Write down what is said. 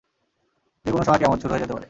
যে কোনও সময় কেয়ামত শুরু হয়ে যেতে পারে!